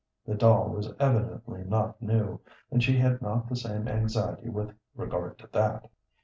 The doll was evidently not new, and she had not the same anxiety with regard to that.